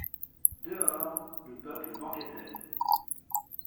Dehors, le peuple banquetait.